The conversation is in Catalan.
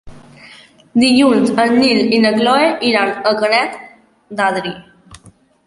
Dilluns en Nil i na Cloè iran a Canet d'Adri.